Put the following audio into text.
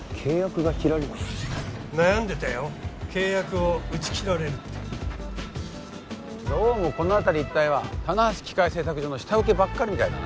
悩んでたよ契約を打ち切られるってどうもこの辺り一帯はたなはし機械製作所の下請けばかりみたい